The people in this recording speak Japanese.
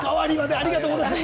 ありがとうございます。